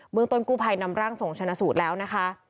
เมืองต้นกู้ภัยนำร่างส่งชนะสูตรแล้วนะคะ